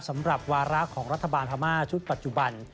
สำหรับวาระของรัฐบาลพม่าชุดปัจจุบัน